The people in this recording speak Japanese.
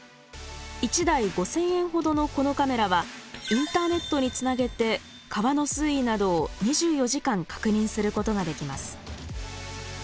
１台５，０００円ほどのこのカメラはインターネットにつなげて川の水位などを２４時間確認することができます。